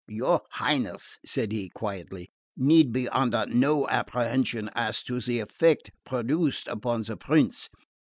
"Your Highness," said he quietly, "need be under no apprehension as to the effect produced upon the prince.